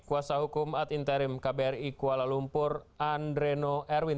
kuasa hukum ad interim kbri kuala lumpur andreno erwin